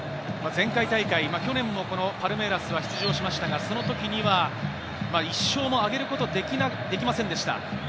前回大会、去年もパルメイラスは出場しましたが、その時には１勝もあげることができませんでした。